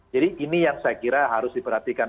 jadi ini yang saya kira harus diperhatikan